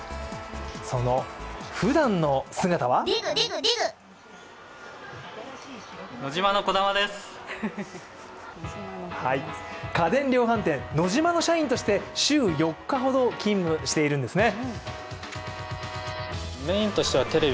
そのふだんの姿は家電量販店・ノジマの社員として週４日ほど勤務しているんですね。